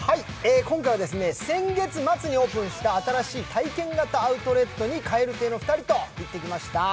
今回は先月末にオープンした新しい体験型アウトレットに蛙亭の２人と行ってきました。